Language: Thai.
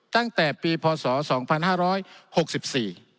ตั้งแต่ปีพศ๒๕๖๔